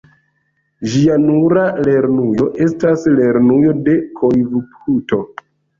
Ĝia nura lernujo estas Lernujo de Koivupuhto.